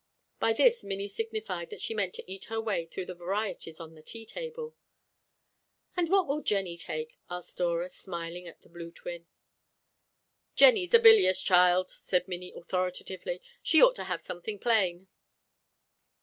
By this Minnie signified that she meant to eat her way through the varieties of the tea table. "And what will Jennie take?" asked Dora, smiling at the blue twin. "Jennie's a bilious child," said Minnie authoritatively; "she ought to have something plain."